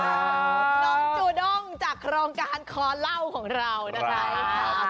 น้องจูด้งจากโครงการคอเล่าของเรานะคะ